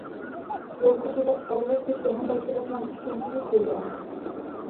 يازغۇچىلىق ئەلۋەتتە جاھاندارچىلىقنىڭ ئىشەنچلىك يولى ئەمەس.